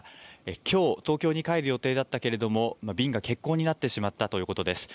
きょう東京に帰る予定だったけれども便が欠航になってしまったということです。